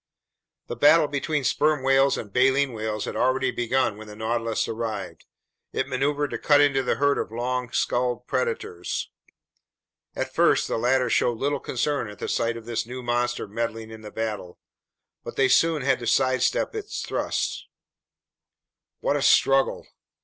The battle between sperm whales and baleen whales had already begun when the Nautilus arrived. It maneuvered to cut into the herd of long skulled predators. At first the latter showed little concern at the sight of this new monster meddling in the battle. But they soon had to sidestep its thrusts. What a struggle!